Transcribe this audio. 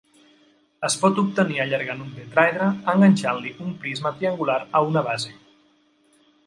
Es pot obtenir allargant un tetràedre enganxant-li un prisma triangular a una base.